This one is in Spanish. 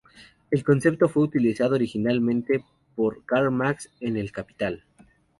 El concepto fue utilizado originalmente por Karl Marx en "El Capital".